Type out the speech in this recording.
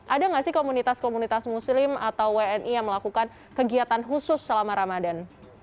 ada nggak sih komunitas komunitas muslim atau wni yang melakukan kegiatan khusus selama ramadan